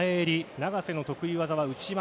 永瀬の得意技は内股。